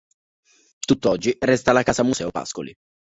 Tutt'oggi resta la Casa Museo Pascoli.